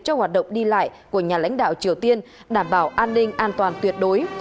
cho hoạt động đi lại của nhà lãnh đạo triều tiên đảm bảo an ninh an toàn tuyệt đối